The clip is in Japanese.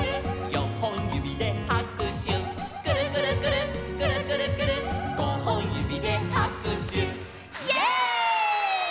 「よんほんゆびではくしゅ」「くるくるくるっくるくるくるっ」「ごほんゆびではくしゅ」イエイ！